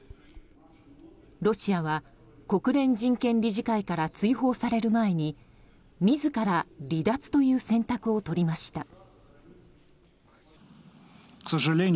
ロシアは国連人権理事会から追放される前に自ら離脱という選択を取りました。